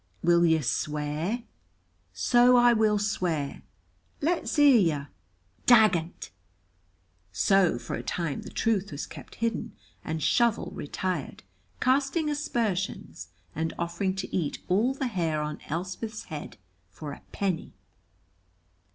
"Will yer swear?" "So I will swear." "Let's hear yer." "Dagont!" So for a time the truth was kept hidden, and Shovel retired, casting aspersions, and offering to eat all the hair on Elspeth's head for a penny.